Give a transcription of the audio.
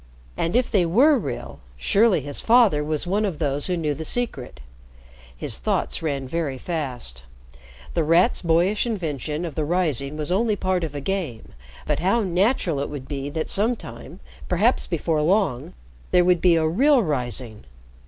And if they were real, surely his father was one of those who knew the secret. His thoughts ran very fast. The Rat's boyish invention of the rising was only part of a game, but how natural it would be that sometime perhaps before long there would be a real rising!